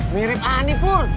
mirip hani pun